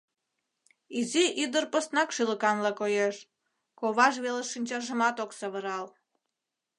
Изи ӱдыр поснак шӱлыканла коеш, коваж велыш шинчажымат ок савырал.